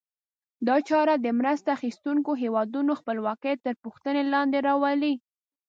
دا چاره د مرسته اخیستونکو هېوادونو خپلواکي تر پوښتنې لاندې راولي.